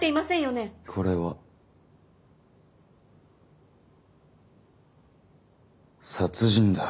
これは殺人だ。